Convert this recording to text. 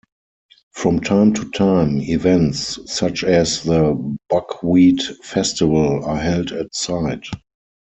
From time to time, events such as the Buckwheat Festival are held at site.